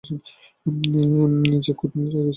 যে খুতনি লেগে গেছে বুকের সঙ্গে।